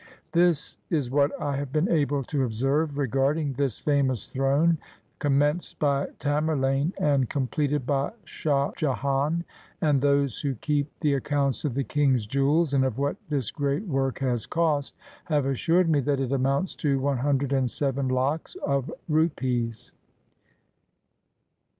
This is what I have been able to observe regarding this famous throne, commenced by Tamerlane and completed by Shah Jehan; and those who keep the accounts of the king's jewels and of what this great work has cost, have assured me that it amounts to one hun dred and seven lakhs of rupees.